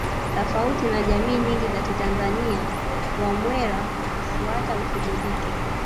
Tofauti na jamii nyingi za kitanzania Wamwera hufuata mfumo jike